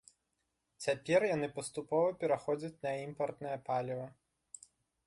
Цяпер яны паступова пераходзяць на імпартнае паліва.